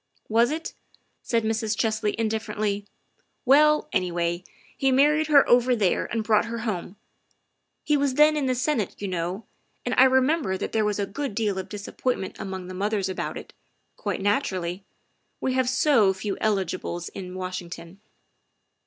" Was it?" said Mrs. Chesley indifferently. " Well, anyway, he married her over there and brought her home. He was then in the Senate, you know, and I remember that there was a good deal of disappointment among the mothers about it, quite naturally, we have so few eligibles in Washington."